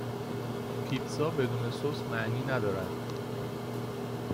پیتزا بدون سس معنی ندارد